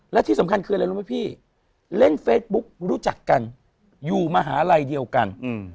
และที่สำคัญคืออะไรรู้ไหมพี่เล่นเฟซบุ๊กรู้จักกันอยู่มหาลัยเดียวกัน